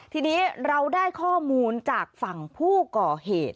ทีนี้เราได้ข้อมูลจากฝั่งผู้ก่อเหตุ